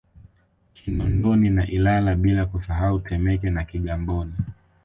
Kinondoni na Ilala bila kusahau Temeke na Kigamboni